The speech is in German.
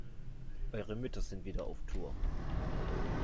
Eure Mütter sind wieder auf Tour.